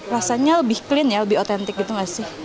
rasanya lebih clean ya lebih otentik gitu gak sih